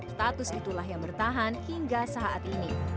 status itulah yang bertahan hingga saat ini